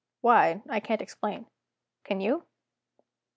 Why, I can't explain. Can you?